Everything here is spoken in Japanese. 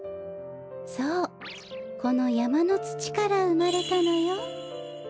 そうこのやまのつちからうまれたのよ。